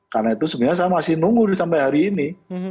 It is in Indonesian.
karena itu sebenarnya saya masih nunggu sampai hari ini